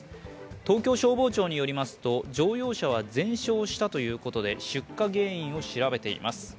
東京消防庁によりますと乗用車は全焼したということで出火原因を調べています。